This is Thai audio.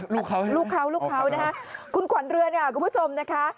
ลูกเขาใช่ไหมอ๋อลูกเขานะคะคุณขวัญเรือนคุณผู้ชมนะคะ